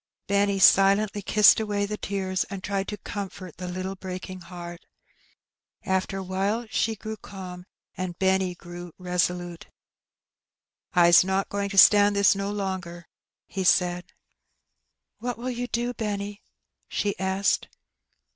Benny silently kissed away the tears, and tried to comfort the little breaking heart. After awhile she grew calm, and Seniiy grew resolute. "I's not going to stand this no longer," he saicl. " What will you do, Benny ?" she asked.